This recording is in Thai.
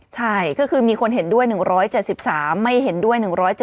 ใช่ก็คือมีคนเห็นด้วย๑๗๓ไม่เห็นด้วย๑๗๗